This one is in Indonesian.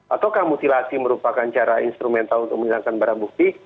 ataukah mutilasi merupakan cara instrumental untuk menghilangkan barang bukti